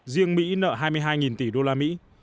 riêng mỹ nợ hai mươi hai tỷ đô la mỹ